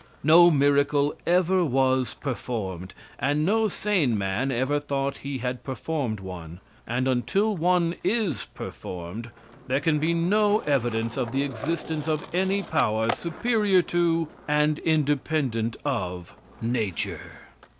No miracle ever was performed, and no sane man ever thought he had performed one, and until one is performed, there can be no evidence of the existence of any power superior to, and independent of nature.